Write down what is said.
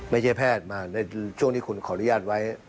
แพทย์มาในช่วงที่คุณขออนุญาตไว้